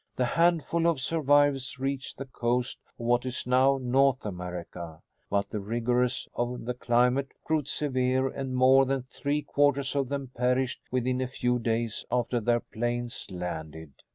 The handful of survivors reached the coast of what is now North America. But the rigors of the climate proved severe and more than three quarters of them perished within a few days after their planes landed.